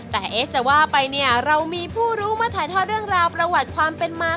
แต่เอ๊ะจะว่าไปเนี่ยเรามีผู้รู้มาถ่ายทอดเรื่องราวประวัติความเป็นมา